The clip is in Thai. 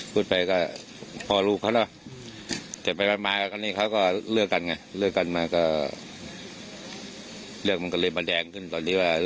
พูดนะคะพอรู้เขาแล้ว